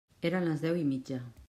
Eren les deu i mitja.